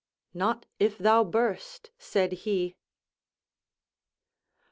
"Not if thou burst," said he.